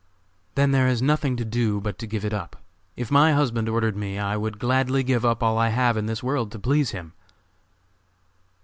"Then there is nothing to do but to give it up. If my husband ordered me I would gladly give up all I have in this world to please him."